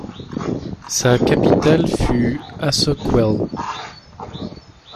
Sa capitale fut Asokwele.